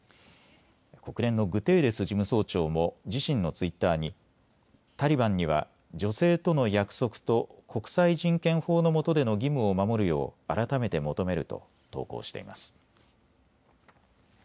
国連のグテーレス事務総長も自身のツイッターにタリバンには女性との約束と国際人権法のもとでの義務を守るよう改めて求めると投稿しています。